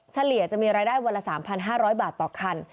เฉลี่ยจะมีรายได้วันละ๓๕๐๐บาทต่อคัน